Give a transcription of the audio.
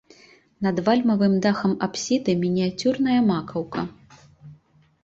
Над вальмавым дахам апсіды мініяцюрная макаўка.